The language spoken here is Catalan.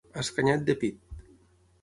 Escanyat de pit.